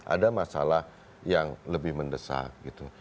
ada masalah yang lebih mendesak gitu